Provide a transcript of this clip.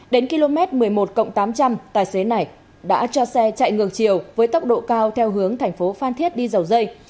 đến km một mươi một tám trăm linh tài xế này đã cho xe chạy ngược chiều với tốc độ cao theo hướng thành phố phan thiết đi dầu dây